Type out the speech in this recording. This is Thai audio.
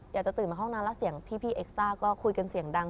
ตื่นมาห้องนั้นแล้วเสียงพี่เอ็กซ่าก็คุยกันเสียงดัง